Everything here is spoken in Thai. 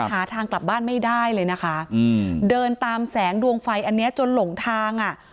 หาทางกลับบ้านไม่ได้เลยนะคะอืมเดินตามแสงดวงไฟอันเนี้ยจนหลงทางอ่ะ